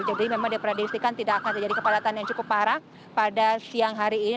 jadi memang diprediksikan tidak akan terjadi kepadatan yang cukup parah pada siang hari ini